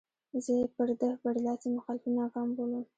زه یې پر ده برلاسي مخالفین ناکام بولم.